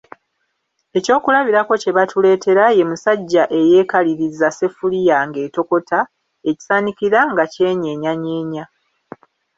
Ekyokulabirako kye batuletera, ye musajja eyeekaliriza ssefuliya ng'etokota, ekisanikira nga kyenyeenyanyeenya.